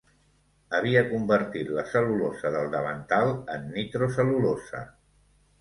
Havia convertit la cel·lulosa del davantal en nitrocel·lulosa.